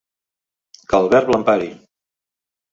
Que el Verb l'empari!